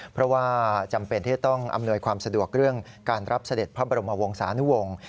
เพราะว่าจำเป็นที่จะต้องอำนวยความสะดวกเรื่องการรับเสด็จพระบรมวงศานุวงศ์